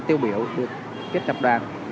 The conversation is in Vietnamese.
tiêu biểu được kết nập đoàn